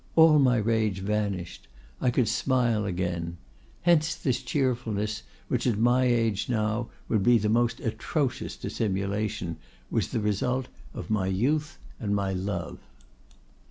All my rage vanished. I could smile again. Hence this cheerfulness, which at my age now would be the most atrocious dissimulation, was the result of my youth and my love.